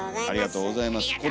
ありがとうございます。